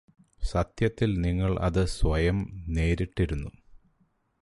സത്യത്തില് നിങ്ങള് അത് സ്വയം നേരിട്ടിരുന്നു